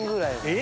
え！